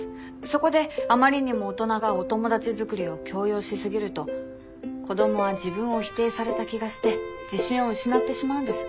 そこであまりにも大人がお友達作りを強要しすぎると子どもは自分を否定された気がして自信を失ってしまうんです。